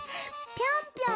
ぴょんぴょん？